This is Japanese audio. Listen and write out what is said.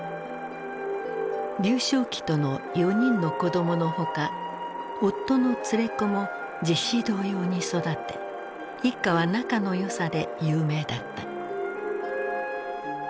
劉少奇との４人の子供のほか夫の連れ子も実子同様に育て一家は仲の良さで有名だった。